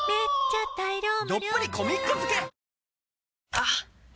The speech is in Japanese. あっ！